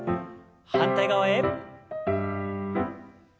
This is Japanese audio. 反対側へ。